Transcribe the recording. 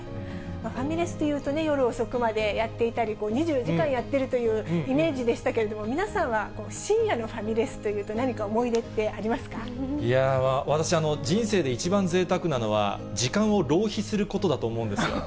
ファミレスというと、夜遅くまでやっていたり２４時間やっているというイメージでしたけれども、皆さんは深夜のファミレスというと、いやー、私、人生で一番ぜいたくなのは、時間を浪費することだと思うんですよ。